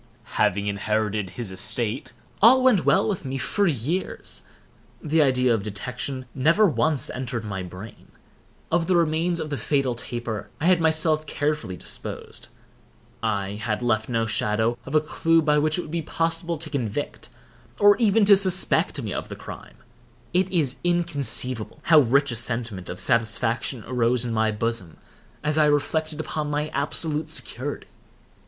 Having inherited his estate, all went well with me for years. The idea of detection never once entered my brain. Of the remains of the fatal taper I had myself carefully disposed. I had left no shadow of a clew by which it would be possible to convict, or even to suspect me of the crime. It is inconceivable how rich a sentiment of satisfaction arose in my bosom as I reflected upon my absolute security.